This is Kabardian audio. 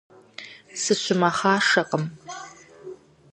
Сыщымэхъашэкъым.